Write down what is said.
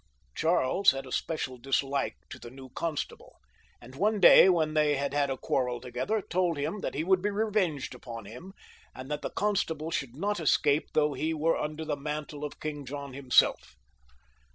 Charles had a special disUke to the new constable, and one day, when they had had a quarrel together, told him that he would be revenged upon him, and that the con stable should not escape though he were under the mantle of King John himself.